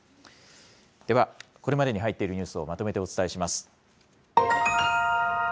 では、これまでに入っているニュースをまとめてお伝えします。